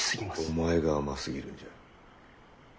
お前が甘すぎるんじゃ。